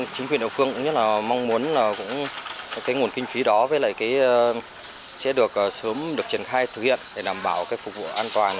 chính quyền đồng phương cũng rất là mong muốn cái nguồn kinh phí đó sẽ được sớm được triển khai thực hiện để đảm bảo phục vụ an toàn